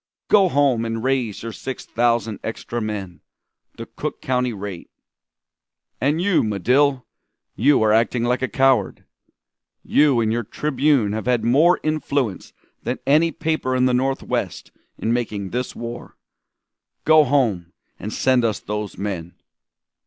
"'Go home and raise your six thousand extra men the Cook County rate. And you, Medill, you are acting like a coward! You and your Tribune have had more influence than any paper in the Northwest in making this war. Go home and send us those men!'"